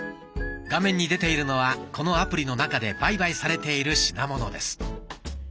画面に出ているのはこのアプリの中で売買されている品物です。